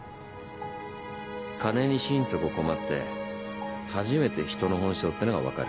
金に心底困って初めて人の本性ってのがわかる。